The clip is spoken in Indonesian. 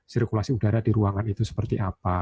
sirkulasi udara di ruangan itu seperti apa